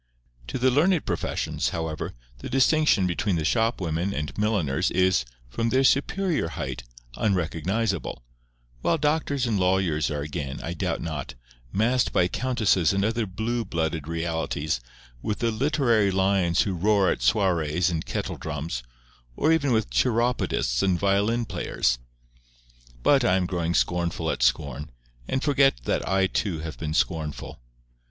To the learned professions, however, the distinction between the shopwomen and milliners is, from their superior height, unrecognizable; while doctors and lawyers are again, I doubt not, massed by countesses and other blue blooded realities, with the literary lions who roar at soirees and kettle drums, or even with chiropodists and violin players! But I am growing scornful at scorn, and forget that I too have been scornful.